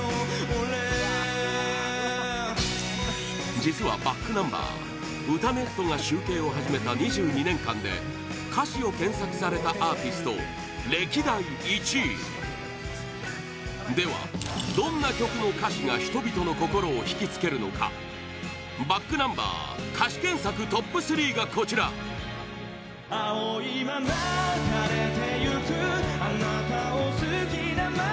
実はｂａｃｋｎｕｍｂｅｒ歌ネットが集計を始めた２２年間で歌詞を検索されたアーティスト歴代１位では、どんな曲の歌詞が人々の心を引きつけるのかｂａｃｋｎｕｍｂｅｒ歌詞検索トップ３がこちら歌詞検索ランキング